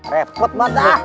repot banget ah